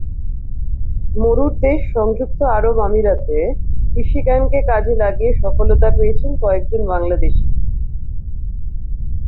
মরুর দেশ সংযুক্ত আরব আমিরাতে কৃষি জ্ঞানকে কাজে লাগিয়ে সফলতা পেয়েছেন কয়েকজন বাংলাদেশি।